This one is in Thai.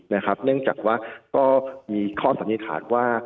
เนื่องจากว่าก็มีข้อสันนิษฐานว่า